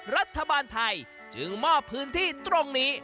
รัฐบาลไทยจึงมอบพื้นที่ตรงนี้